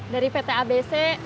dari pt abc